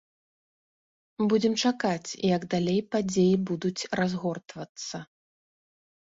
Будзем чакаць, як далей падзеі будуць разгортвацца.